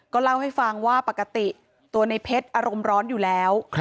เล่าให้ฟังว่าปกติตัวในเพชรอารมณ์ร้อนอยู่แล้ว